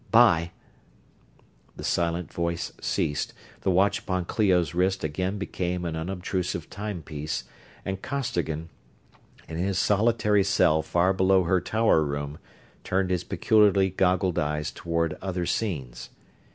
'Bye!" The silent voice ceased, the watch upon Clio's wrist again became an unobtrusive timepiece, and Costigan, in his solitary cell far below her tower room, turned his peculiarly goggled eyes toward other scenes.